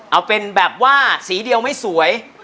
เอาเป็นแบบว่าสีเดียวไม่สวย